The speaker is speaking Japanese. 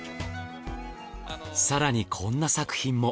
更にこんな作品も。